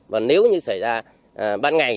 và nếu như xảy ra ban ngày